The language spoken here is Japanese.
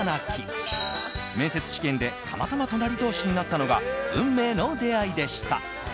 面接試験でたまたま隣同士になったのが運命の出会いでした。